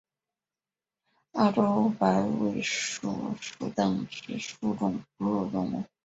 澳洲白尾鼠属等之数种哺乳动物。